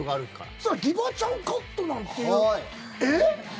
そうしたらギバちゃんカットなんていうえっ？